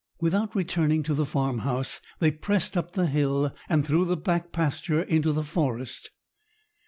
Without returning to the farmhouse, they pressed up the hill and through the back pasture into the forest.